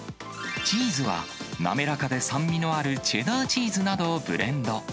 チーズは滑らかで酸味のあるチェダーチーズなどをブレンド。